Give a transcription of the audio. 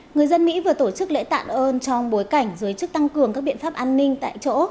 người dân mỹ vừa tổ chức lễ tạ ơn trong bối cảnh giới chức tăng cường các biện pháp an ninh tại chỗ